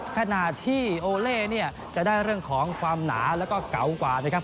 ขณะที่โอเล่เนี่ยจะได้เรื่องของความหนาแล้วก็เก๋ากว่านะครับ